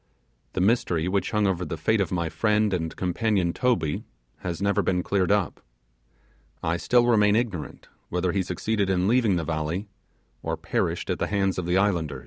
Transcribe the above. The mystery which hung over the fate of my friend and companion Toby has never been cleared up. I still remain ignorant whether he succeeded in leaving the valley, or perished at the hands of the islanders.